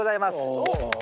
おっ。